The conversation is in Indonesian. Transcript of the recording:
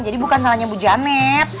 jadi bukan salahnya bu janet